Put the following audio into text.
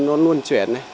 nó luôn chuyển này